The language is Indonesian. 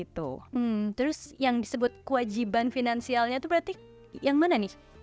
terus yang disebut kewajiban finansialnya itu berarti yang mana nih